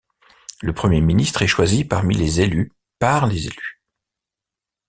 Le Premier ministre est choisi parmi les élus par les élus.